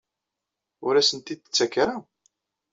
Ur asen-t-id-tettakeḍ ara?